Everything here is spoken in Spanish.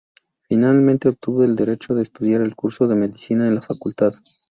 Finalmente obtuvo el derecho de estudiar el curso de medicina en la facultad.